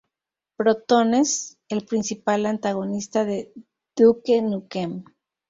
Protones, el principal antagonista de Duke Nukem.